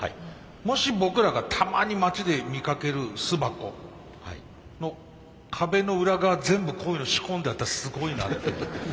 もし僕らがたまに町で見かける巣箱の壁の裏側全部こういうの仕込んであったらすごいなって。